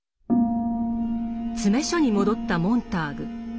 詰所に戻ったモンターグ。